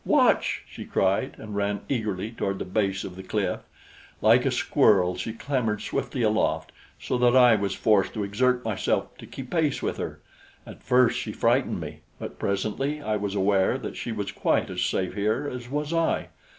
"Watch!" she cried, and ran eagerly toward the base of the cliff. Like a squirrel she clambered swiftly aloft, so that I was forced to exert myself to keep pace with her. At first she frightened me; but presently I was aware that she was quite as safe here as was I.